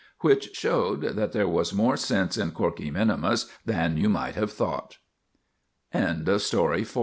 Which showed that there was more sense in Corkey minimus than you might have thought. The P